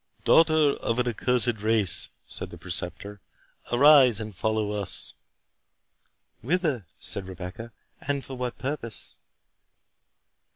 "Daughter of an accursed race!" said the Preceptor, "arise and follow us." "Whither," said Rebecca, "and for what purpose?"